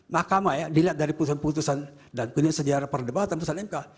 mahkamah ya dilihat dari putusan putusan dan sejarah perdebatan putusan mk